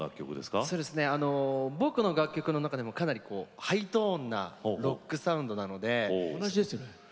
僕の楽曲の中でもかなりハイトーンなロックサウンドなので。